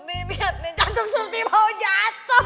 nih liat nih jantung surti mau jatuh